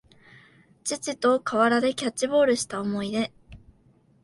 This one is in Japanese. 父と河原でキャッチボールした思い出